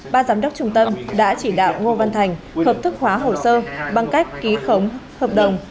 ba giám đốc trung tâm đã chỉ đạo ngô văn thành hợp thức hóa hồ sơ bằng cách ký khống hợp đồng